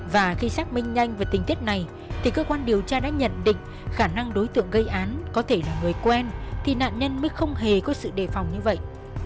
và khi xác minh nhanh về tình tiết này thì cơ quan điều tra đã nhận định khả năng đối tượng gây án có thể là người quen thì nạn nhân mới không hề có sự đề phòng như vậy